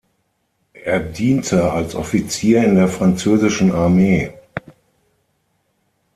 Er diente als Offizier in der französischen Armee.